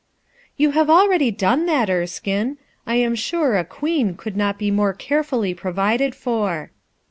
"You have already done that, Erskine; I am sure a queen could not be more carefully provided for."